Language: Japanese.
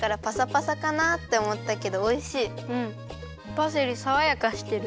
パセリさわやかしてる。